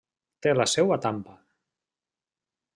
Té la seu a Tampa.